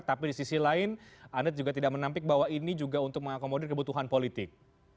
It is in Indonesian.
tapi di sisi lain anda juga tidak menampik bahwa ini juga untuk mengakomodir kebutuhan politik